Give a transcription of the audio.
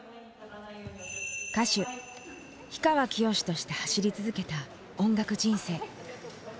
歌手氷川きよしとして走り続けた音楽人生。